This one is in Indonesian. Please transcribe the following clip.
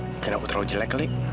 mungkin aku terlalu jelek